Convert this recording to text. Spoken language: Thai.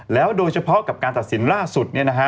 แล้วโดยเฉพาะกับการตัดสินล่าสุด